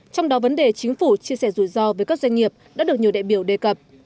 trong đó vấn đề chính phủ chia sẻ rủi ro với các doanh nghiệp đã được nhiều đại biểu đề cập